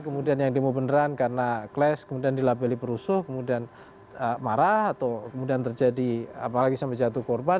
kemudian yang demo beneran karena cles kemudian dilabeli perusuh kemudian marah atau kemudian terjadi apalagi sampai jatuh korban